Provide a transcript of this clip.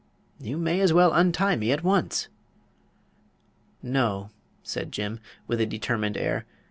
You may as well untie me at once." "No," said Jim, with a determined air.